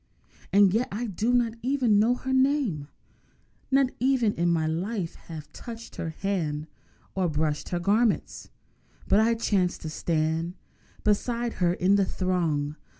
And yet I do not even know her name, Nor ever in my life have touched her hand Or brushed her garments. But I chanced to stand Beside her in the throng!